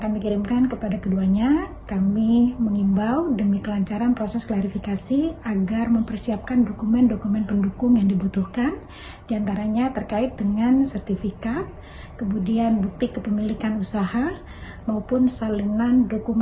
kepala dinas kesehatan provinsi lampung